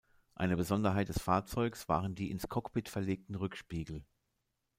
Eine Besonderheit des Fahrzeugs waren die ins Cockpit verlegten Rückspiegel.